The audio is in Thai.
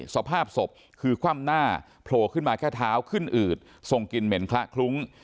สภาพศพคือคว่ำหน้าโผล่ขึ้นมาแค่เท้าขึ้นอืดทรงกลิ่นเหม็นคละคลุ้ง